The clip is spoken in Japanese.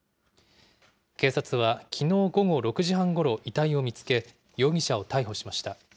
警察はきのう午後６時半ごろ、遺体を見つけ、容疑者を逮捕しました。